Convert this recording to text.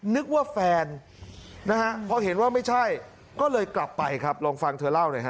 นึกว่าแฟนนะฮะพอเห็นว่าไม่ใช่ก็เลยกลับไปครับลองฟังเธอเล่าหน่อยฮ